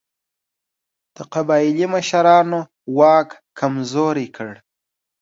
د قبایلي مشرانو واک کمزوری کړ.